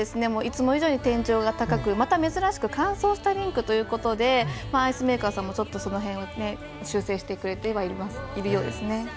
いつも以上に天井が高くまた珍しく乾燥したリンクということでアイスメーカーさんもその辺をちょっと修正してくれているようです。